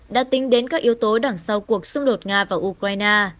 đã tính đến các yếu tố đằng sau cuộc xung đột nga và ukraine